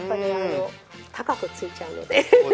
高くついちゃうので。